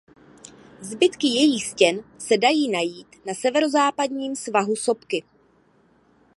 Zbytky jejích stěn se dají najít na severozápadním svahu sopky.